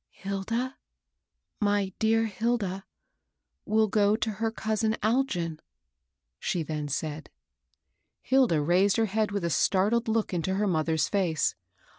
" Hilda, my dear Hilda, will go to her cousin Algin," she then said. Hilda raised her head with a startled look into her mother's face.